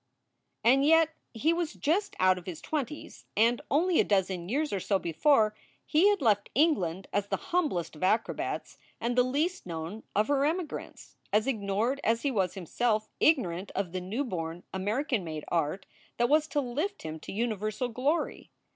And yet he was just out of his twenties and, only a dozen years or so before, he had left England as the humblest of acrobats and the least known of her emigrants, as ignored as he was himself ignorant of the new born American made art that was to lift him to universal glory.